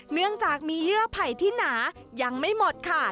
เนื่องจากมีเยื่อไผ่ที่หนายังไม่หมดค่ะ